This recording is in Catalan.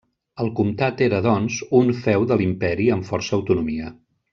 El comtat era, doncs, un feu de l'imperi amb força autonomia.